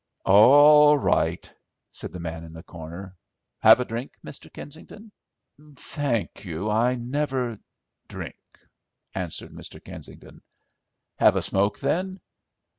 "All right," said the man in the corner. "Have a drink, Mr. Kensington?" "Thank you, I never drink," answered Mr. Kensington. "Have a smoke, then?"